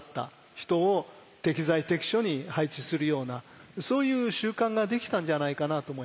人を適材適所に配置するようなそういう習慣ができたんじゃないかなと思いますね。